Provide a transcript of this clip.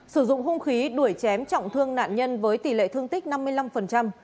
sử dụng hung khí đuổi chém trọng thương nạn nhân với tỷ lệ thương tích năm mươi năm